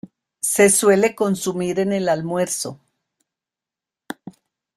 Se suele consumir en el almuerzo.